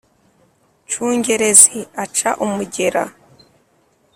Nshungerezi aca umugera